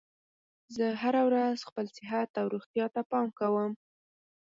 زه هره ورځ خپل صحت او روغتیا ته پام کوم